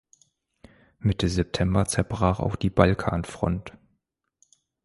Mitte September zerbrach auch die Balkan-Front.